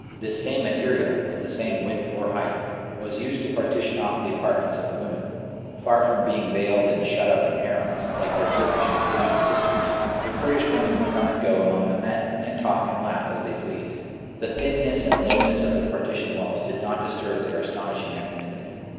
This same material, of the same width or height, was used to partition off the apartments of the women. Far from being veiled and shut up in harems, like their Turkish and Persian sisters, the Kurdish women come and go among the men, and talk and laugh as they please. The thinness and lowness of the partition walls did not disturb their astonishing equanimity.